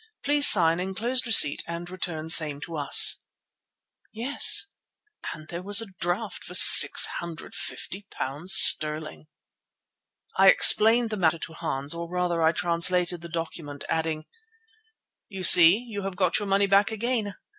Please sign enclosed receipt and return same to us." Yes, and there was the draft for £650 sterling! I explained the matter to Hans, or rather I translated the document, adding: "You see you have got your money back again.